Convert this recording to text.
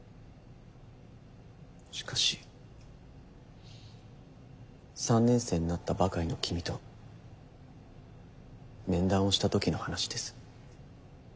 しかし３年生になったばかりの君と面談をした時の話です。